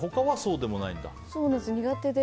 苦手で。